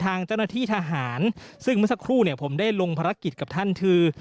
ทางเจ้าหน้าที่ทหารซึ่งเมื่อสักครู่เนี่ยผมได้ลงภารกิจกับท่านคือ